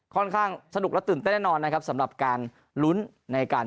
ค่อนข้างสนุกและตื่นเต้นแน่นอนนะครับสำหรับการลุ้นในการ